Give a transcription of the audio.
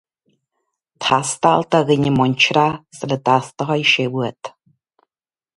Tástáil do dhuine muinteartha sula dteastóidh sé uait